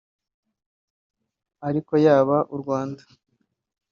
Ariko yaba u Rwanda